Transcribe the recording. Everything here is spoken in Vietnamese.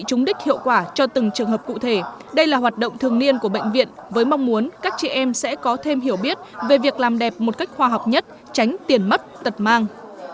để mục đích hiệu quả cho từng trường hợp cụ thể đây là hoạt động thường niên của bệnh viện với mong muốn các chị em sẽ có thêm hiểu biết về việc làm đẹp một cách khoa học nhất tránh tiền mất tật mang